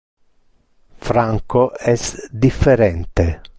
Franco es differente.